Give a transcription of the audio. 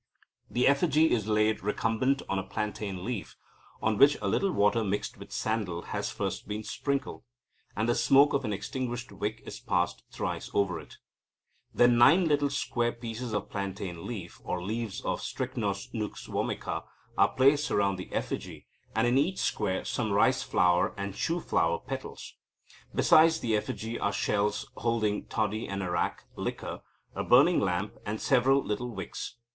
The effigy is laid recumbent on a plantain leaf, on which a little water mixed with sandal has first been sprinkled, and the smoke of an extinguished wick is passed thrice over it. Then nine little square pieces of plantain leaf (or leaves of Strychnos Nux vomica) are placed round the effigy, and in each square some rice flour, and chouflower petals. Beside the effigy are shells holding toddy and arrack (liquor), a burning lamp, and several little wicks.